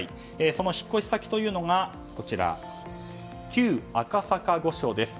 その引っ越し先というのが旧赤坂御所です。